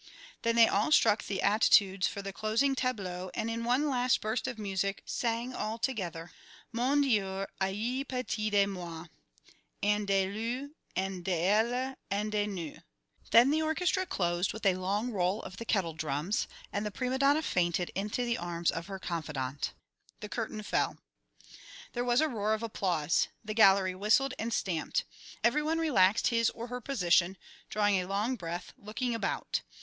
Then they all struck the attitudes for the closing tableau and in one last burst of music sang all together, "Mon Dieu, ayez pitié de moi" and "de lui" and "d'elle" and "de nous." Then the orchestra closed with a long roll of the kettle drums, and the prima donna fainted into the arms of her confidante. The curtain fell. There was a roar of applause. The gallery whistled and stamped. Every one relaxed his or her position, drawing a long breath, looking about.